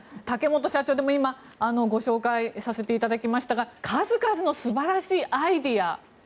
竹本社長、今ご紹介させていただきましたが数々の素晴らしいアイデア